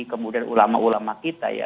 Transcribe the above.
kemudian ulama ulama kita ya